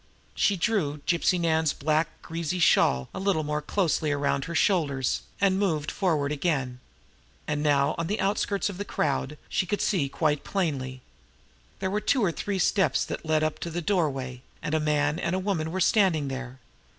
She drew Gypsy Nan's black, greasy shawl a little more closely around her shoulders, and moved forward again. And now, on the outskirts of the crowd, she could see quite plainly. There were two or three low steps that led up to the doorway, and a man and woman were standing there.